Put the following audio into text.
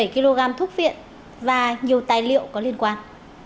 bảy kg thuốc viện và nhiều tài liệu có liên quan